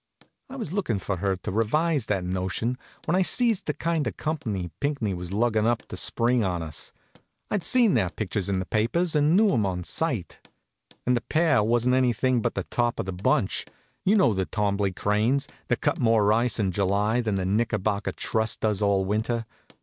I was lookin' for her to revise that notion when I sees the kind of company Pinckney was luggin' up to spring on us. I'd seen their pictures in the papers, and knew 'em on sight. And the pair wasn't anything but the top of the bunch. You know the Twombley Cranes, that cut more ice in July than the Knickerbocker Trust does all winter.